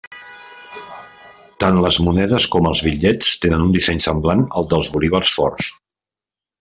Tant les monedes com els bitllets tenen un disseny semblant al dels bolívars forts.